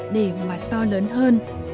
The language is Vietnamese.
để mặt to lớn hơn